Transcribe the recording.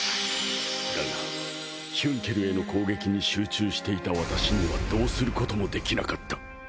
だがヒュンケルへの攻撃に集中していた私にはどうすることもできなかった。